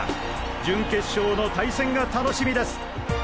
準決勝の対戦が楽しみです！